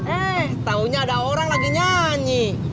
eh taunya ada orang lagi nyanyi